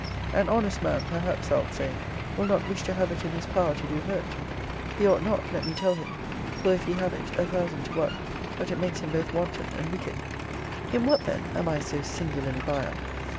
An honest man, perhaps thou'lt say, will not wish to have it in his power to do hurt. He ought not, let me tell him: for, if he have it, a thousand to one but it makes him both wanton and wicked. In what, then, am I so singularly vile?